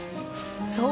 そう。